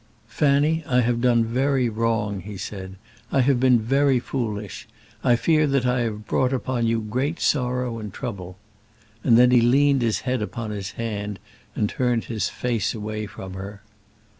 "Fanny, I have done very wrong," he said. "I have been very foolish. I fear that I have brought upon you great sorrow and trouble." And then he leaned his head upon his hand and turned his face away from her.